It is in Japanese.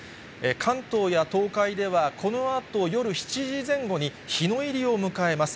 関東や東海ではこのあと夜７時前後に日の入りを迎えます。